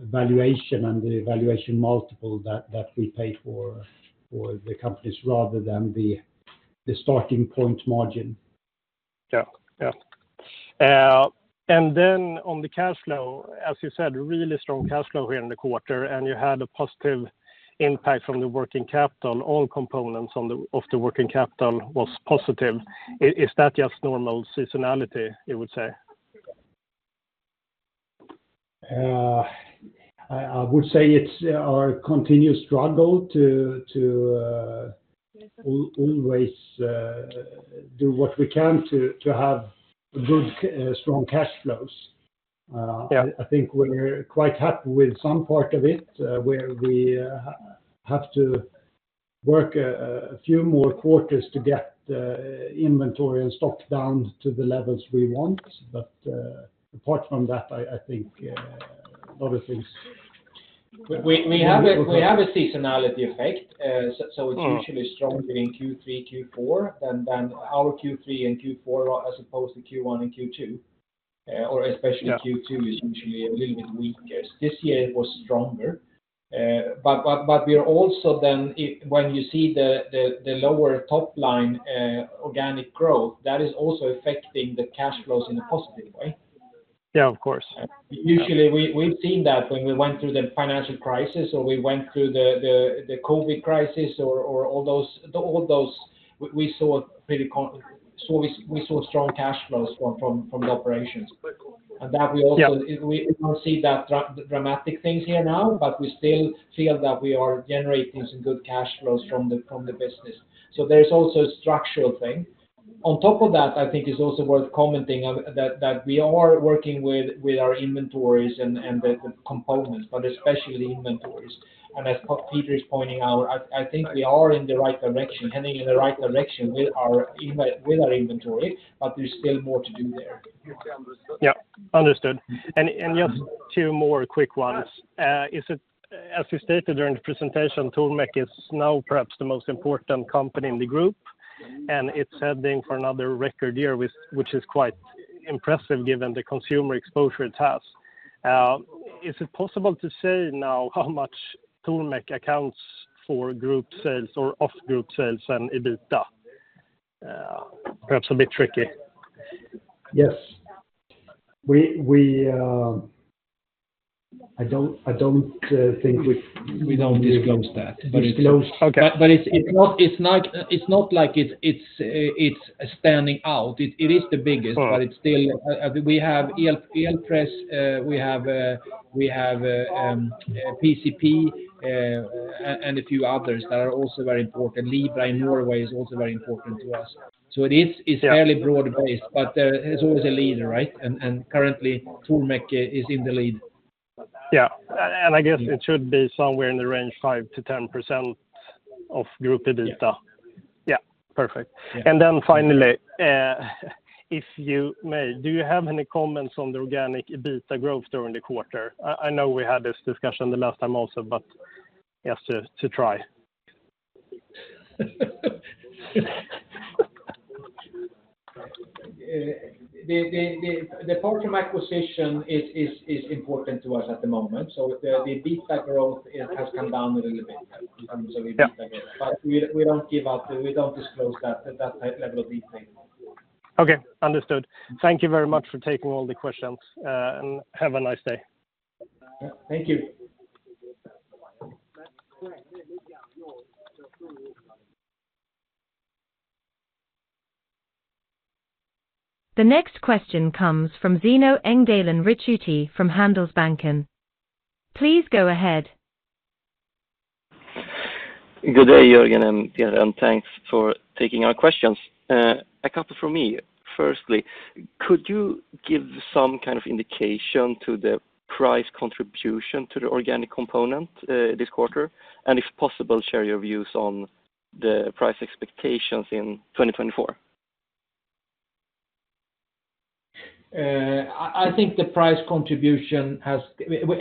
valuation and the valuation multiple that we pay for the companies rather than the starting point margin. Yeah. Yeah. And then on the cash flow, as you said, really strong cash flow here in the quarter, and you had a positive impact from the working capital. All components of the working capital was positive. Is that just normal seasonality, you would say? I would say it's our continuous struggle to... We always do what we can to have good strong cash flows. Yeah. I think we're quite happy with some part of it, where we have to work a few more quarters to get the inventory and stock down to the levels we want. But apart from that, I think a lot of things- We have a seasonality effect. Uh, so- Mm. It's usually stronger in Q3, Q4, than our Q3 and Q4, as opposed to Q1 and Q2. Or especially- Yeah Q2 is usually a little bit weaker. This year it was stronger. But we are also then when you see the lower top line, organic growth, that is also affecting the cash flows in a positive way. Yeah, of course. Usually, we've seen that when we went through the financial crisis or we went through the COVID crisis or all those, we saw pretty consistent, so we saw strong cash flows from the operations. Yeah. And that we also don't see that dramatic things here now, but we still feel that we are generating some good cash flows from the business. So there's also a structural thing. On top of that, I think it's also worth commenting on that we are working with our inventories and the components, but especially inventories. As Peter is pointing out, I think we are in the right direction, heading in the right direction with our inventory, but there's still more to do there. Yeah, understood. And just two more quick ones. Yeah. As you stated during the presentation, Tormek is now perhaps the most important company in the group, and it's heading for another record year, which is quite impressive given the consumer exposure it has. Is it possible to say now how much Tormek accounts for group sales or off group sales and EBITDA? Perhaps a bit tricky. Yes. I don't think we- We don't disclose that. Disclose. Okay. But it's not like it, it's standing out. It is the biggest- Uh... but it's still, we have Elpress, we have PCP, and a few others that are also very important. Libra in Norway is also very important to us. So it is- Yeah... It's fairly broad based, but there is always a leader, right? And, and currently, Tormek is in the lead. Yeah. And, and I guess it should be somewhere in the range 5%-10% of group EBITDA. Yeah. Yeah, perfect. Yeah. And then finally, if you may, do you have any comments on the organic EBITDA growth during the quarter? I know we had this discussion the last time also, but just to try. The Portem acquisition is important to us at the moment, so the EBITDA growth, it has come down a little bit in terms of EBITDA- Yeah... But we, we don't give up, we don't disclose that at that level of detail. Okay, understood. Thank you very much for taking all the questions, and have a nice day. Thank you. The next question comes from Zeno Engdalen Ricciuti from Handelsbanken. Please go ahead. Good day, Jörgen and Peter, and thanks for taking our questions. A couple from me. Firstly, could you give some kind of indication to the price contribution to the organic component, this quarter? And if possible, share your views on the price expectations in 2024. I think the price contribution has... Well,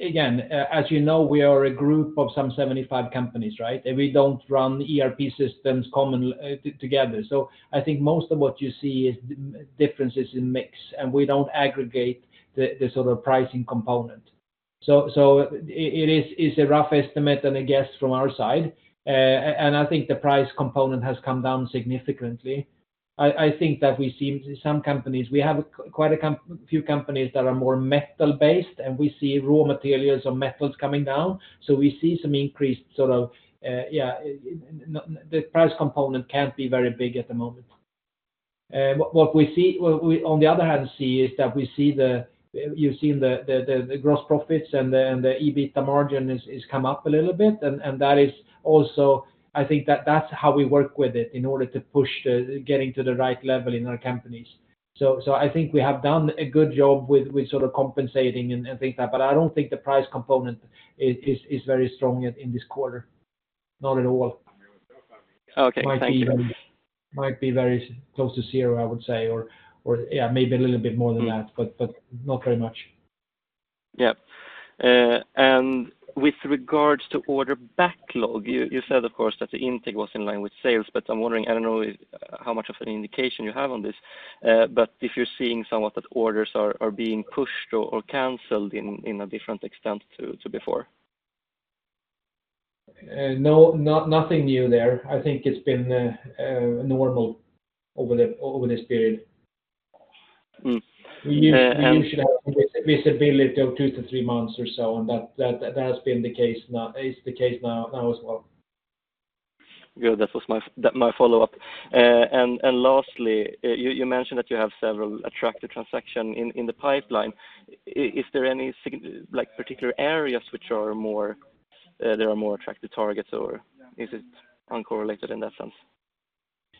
again, as you know, we are a group of some 75 companies, right? And we don't run ERP systems commonly together. So I think most of what you see is differences in mix, and we don't aggregate the sort of pricing component. So it is, it's a rough estimate and a guess from our side, and I think the price component has come down significantly. I think that we see some companies - we have quite a few companies that are more metal-based, and we see raw materials or metals coming down, so we see some increased sort of, yeah, the price component can't be very big at the moment. What we see, what we on the other hand see is that we see the, you've seen the gross profits and the EBITDA margin is come up a little bit, and that is also, I think that's how we work with it in order to push getting to the right level in our companies. So I think we have done a good job with sort of compensating and things like that, but I don't think the price component is very strong in this quarter. Not at all. Okay. Thank you. Might be very close to zero, I would say, or, yeah, maybe a little bit more than that- Mm. But, but not very much. Yeah. And with regards to order backlog, you, you said, of course, that the intake was in line with sales, but I'm wondering, I don't know how much of an indication you have on this, but if you're seeing somewhat that orders are, are being pushed or, or canceled in, in a different extent to, to before? No, nothing new there. I think it's been normal over this period. Mm. Uh, and- We usually have visibility of 2-3 months or so, and that has been the case now, is the case now as well. Good. That was my follow-up.... And lastly, you mentioned that you have several attractive transactions in the pipeline. Is there any sign, like, particular areas which are more, there are more attractive targets, or is it uncorrelated in that sense?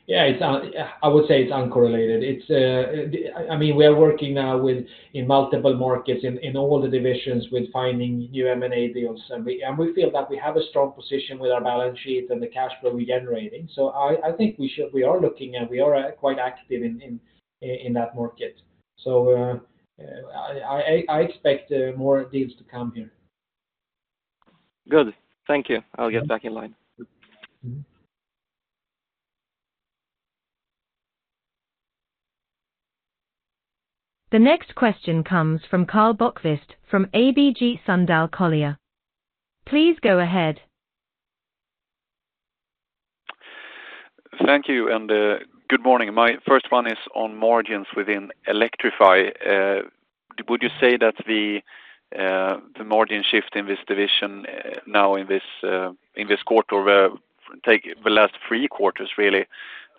Yeah, I would say it's uncorrelated. It's, I mean, we are working now with, in multiple markets, in all the divisions with finding new M&A deals, and we feel that we have a strong position with our balance sheet and the cash flow we're generating. So I think we should—we are looking at, we are quite active in that market. So, I expect more deals to come here. Good. Thank you. I'll get back in line. The next question comes from Karl Bokvist from ABG Sundal Collier. Please go ahead. Thank you, and, good morning. My first one is on margins within Electrify. Would you say that the, the margin shift in this division, now in this, in this quarter, where take the last three quarters, really,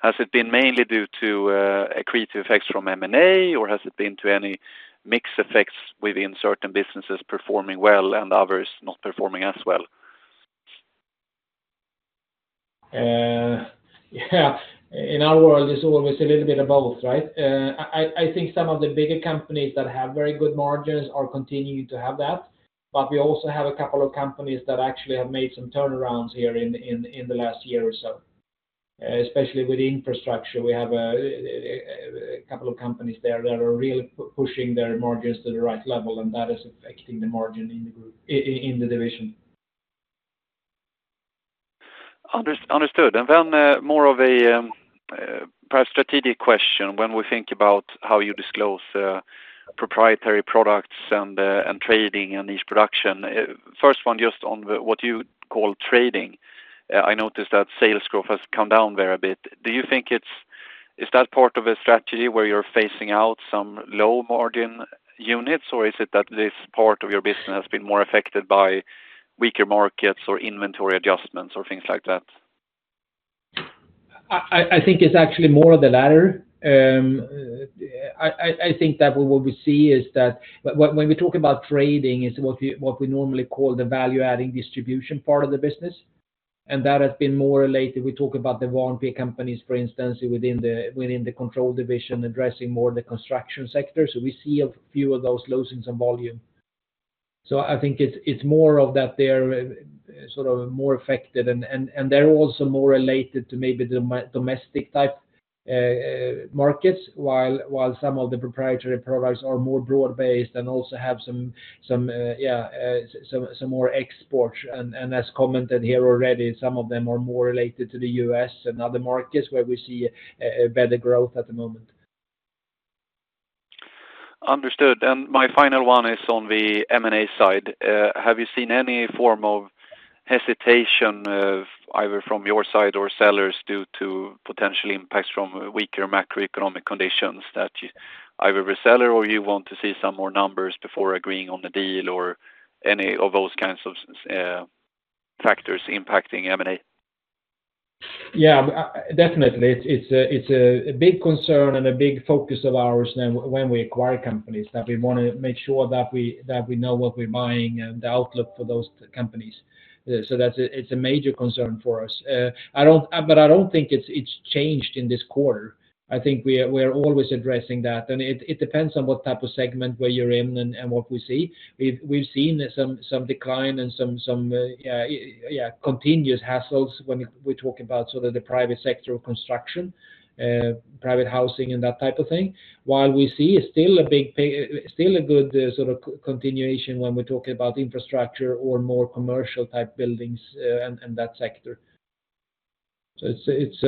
has it been mainly due to, accretive effects from M&A, or has it been to any mix effects within certain businesses performing well and others not performing as well? Yeah, in our world, it's always a little bit of both, right? I think some of the bigger companies that have very good margins are continuing to have that, but we also have a couple of companies that actually have made some turnarounds here in the last year or so. Especially with infrastructure, we have a couple of companies there that are really pushing their margins to the right level, and that is affecting the margin in the group, in the division. Understood. And then, more of a perhaps strategic question when we think about how you disclose proprietary products and trading and niche production. First one, just on what you call trading. I noticed that sales growth has come down there a bit. Do you think it is that part of a strategy where you're phasing out some low-margin units, or is it that this part of your business has been more affected by weaker markets or inventory adjustments or things like that? I think it's actually more of the latter. I think that what we see is that when we talk about trading, it's what we normally call the value-adding distribution part of the business, and that has been more related. We talk about the warrant companies, for instance, within the Control division, addressing more the construction sector, so we see a few of those losing some volume. So I think it's more of that they're sort of more affected, and they're also more related to maybe the domestic type markets, while some of the proprietary products are more broad-based and also have some more export. And as commented here already, some of them are more related to the U.S. and other markets where we see a better growth at the moment. Understood. And my final one is on the M&A side. Have you seen any form of hesitation, either from your side or sellers, due to potential impacts from weaker macroeconomic conditions that you, either a reseller or you want to see some more numbers before agreeing on the deal or any of those kinds of, factors impacting M&A? Yeah, definitely. It's a big concern and a big focus of ours when we acquire companies that we want to make sure that we know what we're buying and the outlook for those companies. So that's a major concern for us. But I don't think it's changed in this quarter. I think we are always addressing that, and it depends on what type of segment you're in and what we see. We've seen some decline and some continuous hassles when we're talking about sort of the private sector of construction, private housing and that type of thing. While we see still a good sort of continuation when we're talking about infrastructure or more commercial-type buildings, and that sector. So it's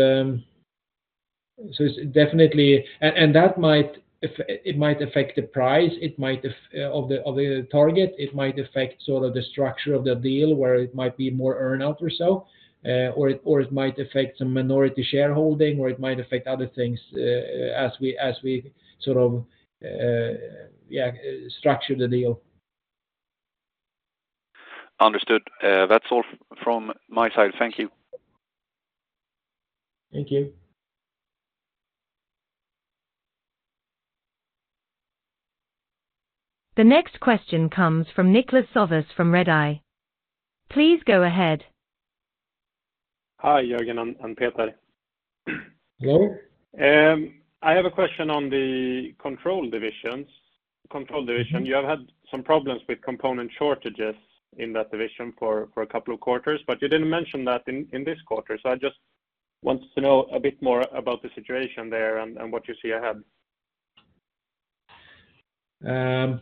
definitely, and that might affect the price of the target. It might affect sort of the structure of the deal, where it might be more earn-out or so, or it might affect some minority shareholding, or it might affect other things, as we sort of, yeah, structure the deal. Understood. That's all from my side. Thank you. Thank you. The next question comes from Niklas Sävås, from Redeye. Please go ahead. Hi, Jörgen and Peter. Hello. I have a question on the Control division. You have had some problems with component shortages in that division for a couple of quarters, but you didn't mention that in this quarter. So I just want to know a bit more about the situation there and what you see ahead. Yeah,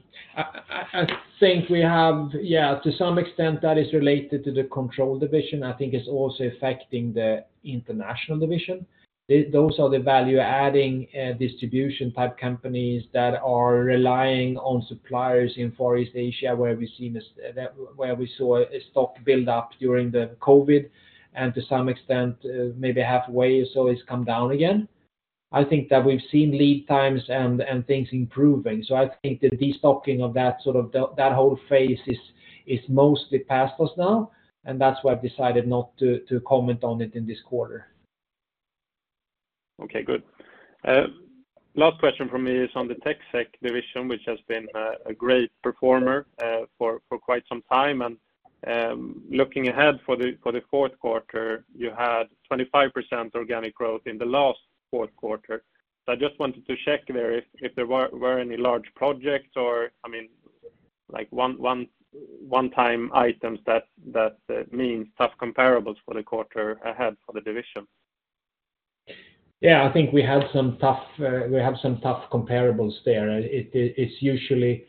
to some extent, that is related to the Control division. I think it's also affecting the International division. Those are the value-adding distribution-type companies that are relying on suppliers in Far East Asia, where we saw a stock build up during the COVID, and to some extent, maybe halfway, so it's come down again. I think that we've seen lead times and things improving. So I think the destocking of that sort of whole phase is mostly past us now, and that's why I've decided not to comment on it in this quarter. Okay, good. Last question from me is on the TechSec division, which has been a great performer for quite some time. Looking ahead for the fourth quarter, you had 25% organic growth in the last fourth quarter. So I just wanted to check there if there were any large projects or, I mean, like one-time items that means tough comparables for the quarter ahead for the division. Yeah, I think we have some tough comparables there. It's usually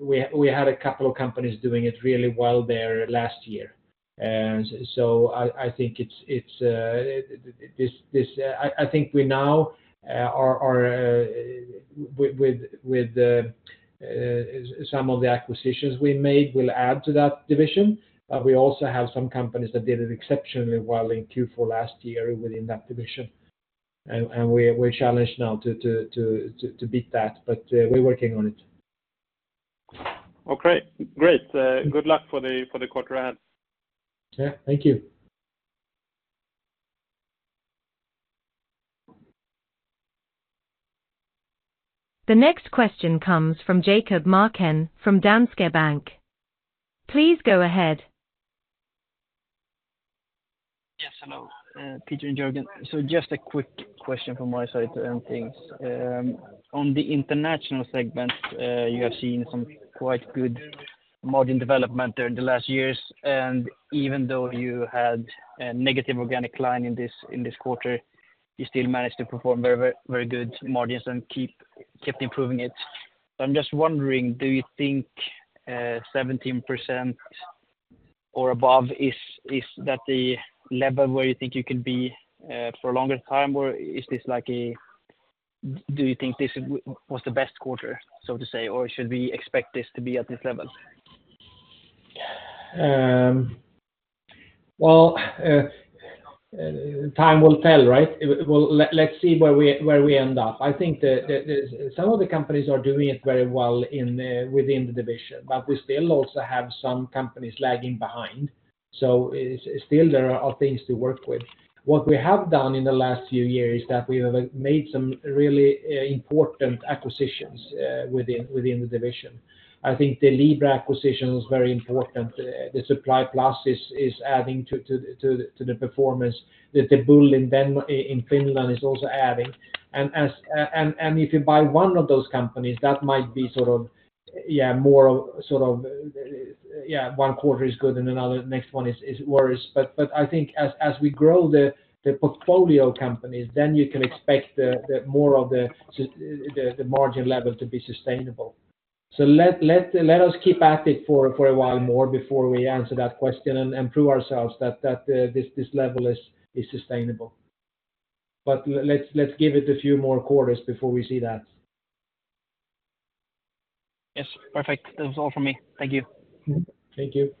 we had a couple of companies doing it really well there last year. And so I think it's this. I think we now are with some of the acquisitions we made will add to that division. But we also have some companies that did exceptionally well in Q4 last year within that division. And we're challenged now to beat that, but we're working on it. Okay, great. Good luck for the quarter ahead. Yeah, thank you. The next question comes from Jakob Markén from Danske Bank. Please go ahead. Yes, hello, Peter and Jörgen. So just a quick question from my side to end things. On the international segment, you have seen some quite good margin development there in the last years, and even though you had a negative organic line in this, in this quarter, you still managed to perform very, very, very good margins and keep, kept improving it. So I'm just wondering, do you think, 17% or above, is, is that the level where you think you can be, for a longer time? Or is this like a, do you think this was the best quarter, so to say, or should we expect this to be at this level? Well, time will tell, right? Well, let's see where we end up. I think some of the companies are doing it very well within the division, but we still also have some companies lagging behind. So it's still there are things to work with. What we have done in the last few years is that we have made some really important acquisitions within the division. I think the Libra acquisition was very important. The Supply Plus is adding to the performance that the one in Denmark in Finland is also adding. And if you buy one of those companies, that might be sort of, yeah, more of, sort of, yeah, one quarter is good and another next one is worse. But I think as we grow the portfolio companies, then you can expect the more of the margin level to be sustainable. So let us keep at it for a while more before we answer that question and prove ourselves that this level is sustainable. But let's give it a few more quarters before we see that. Yes, perfect. That was all from me. Thank you. Thank you.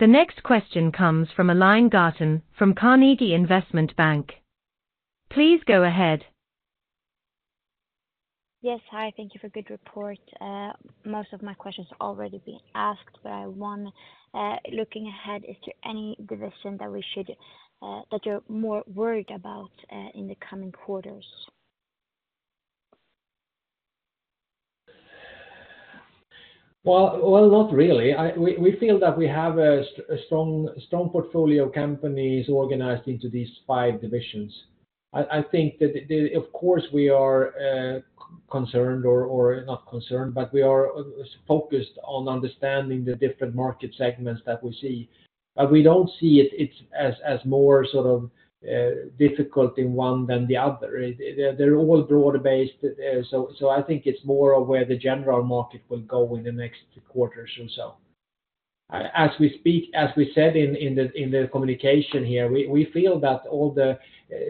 The next question comes from Aline Garten from Carnegie Investment Bank. Please go ahead. Yes. Hi, thank you for a good report. Most of my questions have already been asked, but I want, looking ahead, is there any division that we should, that you're more worried about, in the coming quarters? Well, not really. I, we feel that we have a, a strong, strong portfolio of companies organized into these five divisions. I think that the... Of course, we are concerned, or not concerned, but we are focused on understanding the different market segments that we see. But we don't see it, it's as, as more sort of difficult in one than the other. They're, they're all broad-based. So, I think it's more of where the general market will go in the next quarters or so. As we speak, as we said in, in the, in the communication here, we feel that all the,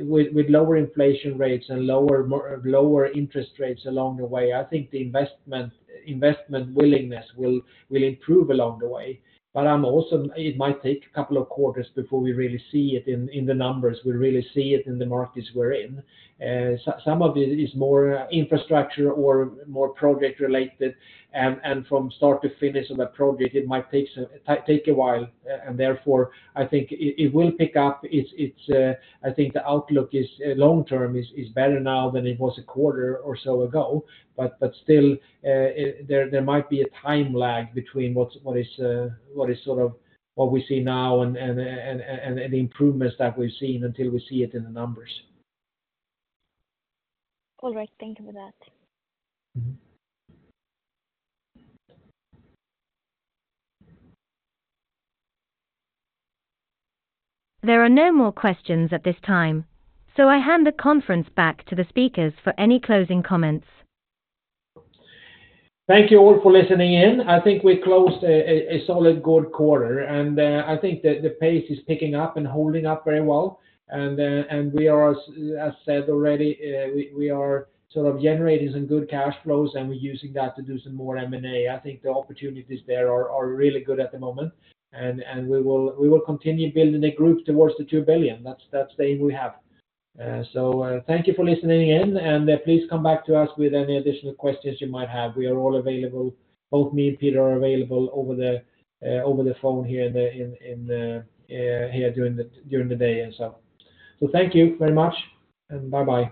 with, with lower inflation rates and lower more, lower interest rates along the way, I think the investment, investment willingness will, will improve along the way. But I'm also, it might take a couple of quarters before we really see it in the numbers, we really see it in the markets we're in. Some of it is more infrastructure or more project related, and from start to finish of a project, it might take a while, and therefore, I think it will pick up. It's I think the outlook is long term better now than it was a quarter or so ago. But still, there might be a time lag between what we see now and the improvements that we've seen until we see it in the numbers. All right. Thank you for that. Mm-hmm. There are no more questions at this time, so I hand the conference back to the speakers for any closing comments. Thank you all for listening in. I think we closed a solid good quarter, and I think the pace is picking up and holding up very well. And we are, as said already, we are sort of generating some good cash flows, and we're using that to do some more M&A. I think the opportunities there are really good at the moment, and we will continue building a group towards 2 billion. That's the aim we have. Thank you for listening in, and please come back to us with any additional questions you might have. We are all available. Both me and Peter are available over the phone here during the day and so. Thank you very much, and bye-bye.